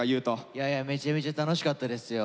いやいやめちゃめちゃ楽しかったですよ。